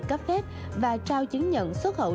cấp phép và trao chứng nhận xuất khẩu